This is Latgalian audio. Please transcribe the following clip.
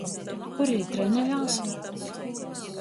Kur jī trenejās?